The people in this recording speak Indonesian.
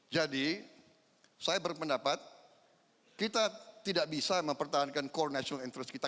jadi saya berpendapat kita tidak bisa mempertahankan core national interest kita